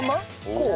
こう？